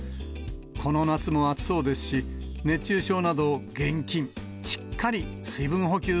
この夏も暑そうですし、熱中症など、厳禁。